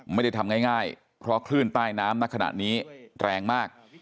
ไม่ได้ทำง่ายเพราะคลื่นใต้น้ำณขณะนี้แรงมาก